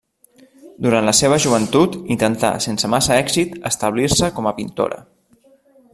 Durant la seva joventut, intentà, sense massa èxit, establir-se com a pintora.